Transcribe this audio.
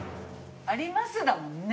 ありますだもんね。